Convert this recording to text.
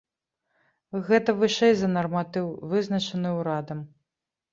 Гэта вышэй за нарматыў, вызначаны ўрадам.